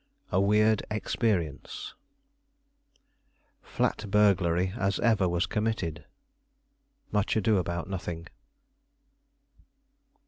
A WEIRD EXPERIENCE "Flat burglary as ever was committed." Much Ado about Nothing.